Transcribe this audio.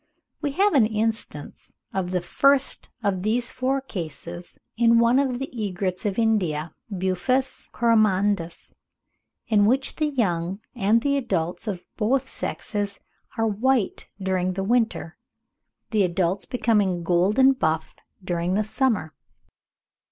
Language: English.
We have an instance of the first of these four cases in one of the egrets of India (Buphus coromandus), in which the young and the adults of both sexes are white during the winter, the adults becoming golden buff during the summer.